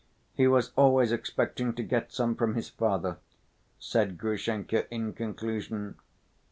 "He was always expecting to get some from his father," said Grushenka in conclusion.